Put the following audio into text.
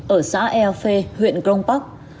ở xã eo phe huyện crong park